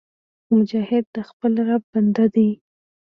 مجاهد د خپل رب بنده دی